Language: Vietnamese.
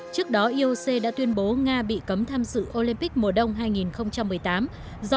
trước đó ioc đã tuyên bố nga bị cấm tham dự olympic mùa đông hai nghìn một mươi tám do